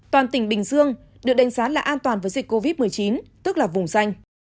toàn tỉnh bình dương được đánh giá là an toàn với dịch covid một mươi chín tức là vùng danh